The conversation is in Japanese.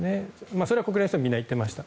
それは国連の人みんな言っていました。